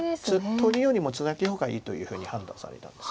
取りよりもツナギの方がいいというふうに判断されたんです。